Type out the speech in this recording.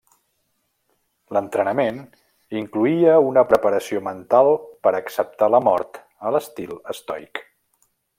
L'entrenament incloïa una preparació mental per acceptar la mort a l'estil estoic.